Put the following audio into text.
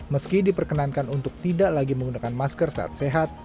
meski diperkenankan untuk tidak lagi menggunakan masker saat sehat